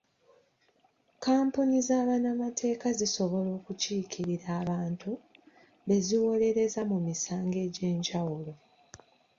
Kkampuni za bannamateeka zisobola okukiikirira abantu be ziwolereza mu misango egy'enjawulo.